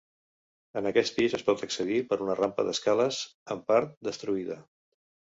En aquest pis es pot accedir per una rampa d'escales en part destruïda.